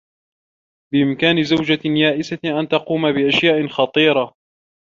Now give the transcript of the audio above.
بإمكان زوجة يائسة أن تقوم بأشياء خطيرة.